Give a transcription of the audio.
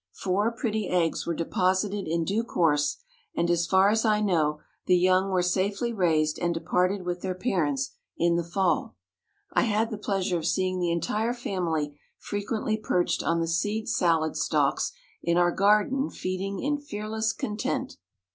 Four pretty eggs were deposited in due course and, as far as I know, the young were safely raised and departed with their parents in the fall. I had the pleasure of seeing the entire family frequently perched on the seed salad stalks in our garden feeding in fearless content.